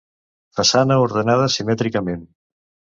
Façana ordenada simètricament.